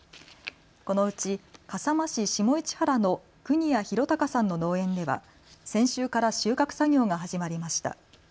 このうち笠間市下市原の國谷博隆さんの農園では先週から収穫作業が始まりました。